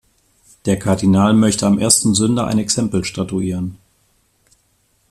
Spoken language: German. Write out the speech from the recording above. Der Kardinal möchte am ersten Sünder ein Exempel statuieren.